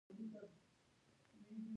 د متارکې د شرایطو په اړه یې خبرې وکړې.